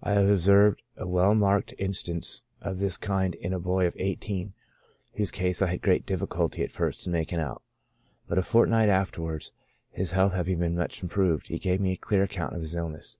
I have observed a well marked Instance of this kind in a boy of eighteen, whose case I had great difficulty at first in making out ; but a fortnight afterwards, his health having much Improved, he gave me a clear account of his illness.